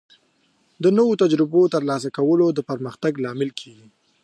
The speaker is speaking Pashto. د نوو تجربو ترلاسه کول د پرمختګ لامل کیږي.